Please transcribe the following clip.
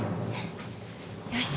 よし。